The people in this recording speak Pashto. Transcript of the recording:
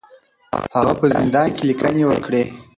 هغه په زندان کې لیکنې وکړې.